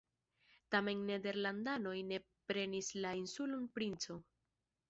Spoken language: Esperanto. Tamen nederlandanoj ne prenis la insulon Princo.